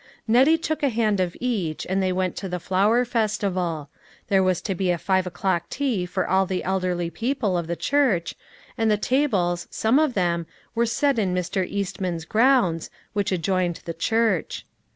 Nettie took a hand of each, and they went to the flower festival. There was to be a five 308 LITTLE FISHERS: AND THEIR NETS. o'clock tea for all the elderly people of the church, and the tables, some of them, were set in Mr. Eastman's grounds, which adjoined the church.